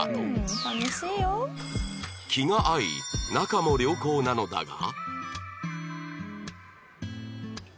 気が合い仲も良好なのだが